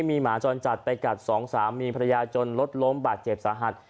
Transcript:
มีหมาจรจัดไปกัด๒๓มีพระยาจนลดล้มบาดเจ็บสาหัส